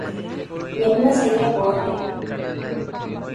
என்ன செய்யப் போறே?